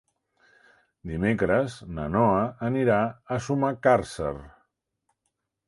Dimecres na Noa anirà a Sumacàrcer.